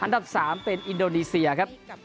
อันดับ๓เป็นอินโดนีเซียครับ